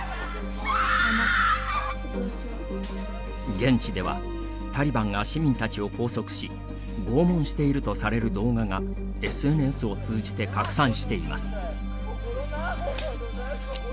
現地ではタリバンが市民たちを拘束し拷問しているとされる動画がＳＮＳを通じて拡散しています。